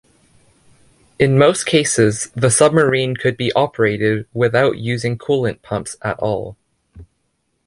In most cases the submarine could be operated without using coolant pumps at all.